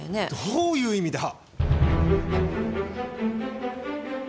どういう意味だ！